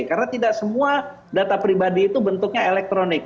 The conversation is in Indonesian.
karena tidak semua data pribadi itu bentuknya elektronik